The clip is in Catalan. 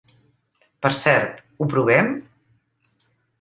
Per cert, ho provem?